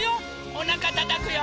おなかたたくよ。